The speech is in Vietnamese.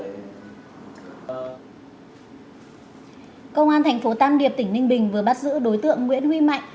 công an tp tam điệp tỉnh ninh bình vừa bắt giữ đối tượng nguyễn huy mạnh